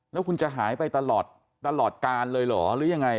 แล้วคุณจะหายไปตลอดกาลเลยเหรอหรือยังไง